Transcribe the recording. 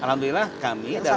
alhamdulillah kami dalam